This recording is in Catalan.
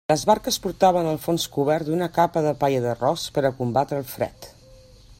Les barques portaven el fons cobert d'una capa de palla d'arròs per a combatre el fred.